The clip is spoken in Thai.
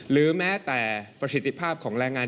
หรือแม้แต่ประสิทธิภาพของแรงงาน